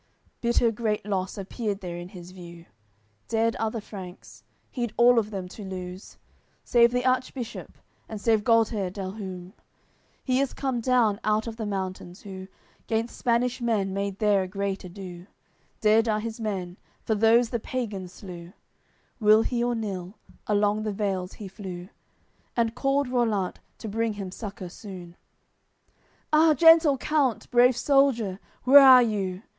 Bitter great loss appeared there in his view: Dead are the Franks; he'd all of them to lose, Save the Archbishop, and save Gualter del Hum; He is come down out of the mountains, who Gainst Spanish men made there a great ado; Dead are his men, for those the pagans slew; Will he or nill, along the vales he flew, And called Rollant, to bring him succour soon: "Ah! Gentle count, brave soldier, where are you?